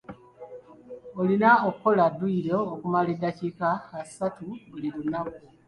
Olina okukola dduyiro okumala eddakiika asatu buli lunaku.